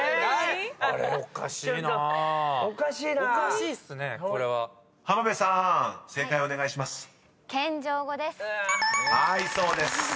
［はいそうです］